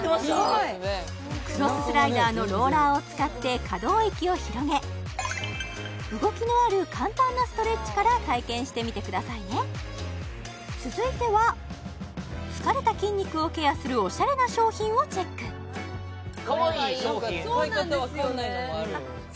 はいクロススライダーのローラーを使って可動域を広げ動きのある簡単なストレッチから体験してみてくださいね続いては疲れた筋肉をケアするオシャレな商品をチェック使い方わかんないのもある・